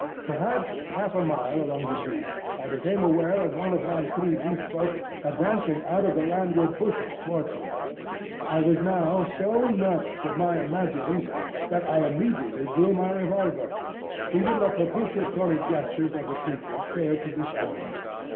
Perhaps half a mile along the beach I became aware of one of my three Beast Folk advancing out of the landward bushes towards me. I was now so nervous with my own imaginings that I immediately drew my revolver. Even the propitiatory gestures of the creature failed to disarm me.